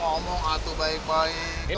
ngomong atuh baik baik